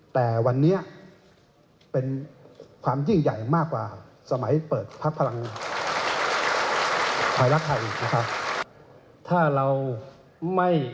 แต่วันนี้เป็นความยิ่งใหญ่มากกว่าสมัยเปิดพักพลังไทยรักไทยนะครับถ้าเราไม่